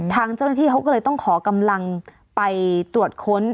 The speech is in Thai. ทางเจ้าหน้าที่เขาก็เลยต้องขอกำลังไปตรวจค้น